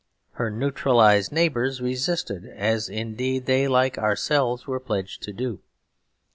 Her neutralised neighbours resisted, as indeed they, like ourselves, were pledged to do.